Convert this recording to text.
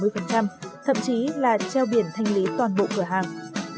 thậm chí là treo biển thanh lý toàn bộ cửa hàng